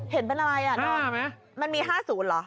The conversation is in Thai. เห็นเป็นอะไรมันมี๕ศูนย์เหรอ